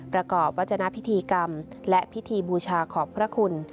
ประกอบวัจจนพิธีกรรมและพิธีบูชาขอบพระคุณ